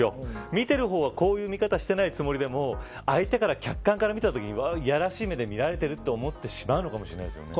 見ている方は、こういう見方していないつもりでも相手から、客観から見たときにやらしい目で見られてると思ってしまうんですよね。